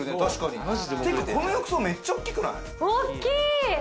この浴槽めっちゃ大きくない？